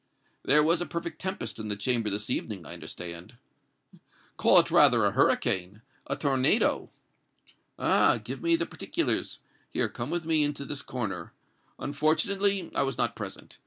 "There was a perfect tempest in the Chamber this evening, I understand." "Call it rather a hurricane, a tornado!" "Ah! give me the particulars; here, come with me into this corner. Unfortunately, I was not present.